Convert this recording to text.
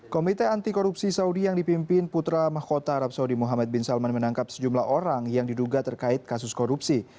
komite anti korupsi saudi yang dipimpin putra mahkota arab saudi muhammad bin salman menangkap sejumlah orang yang diduga terkait kasus korupsi